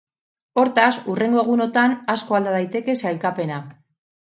Hortaz, hurrengo egunotan asko alda daiteke sailkapena.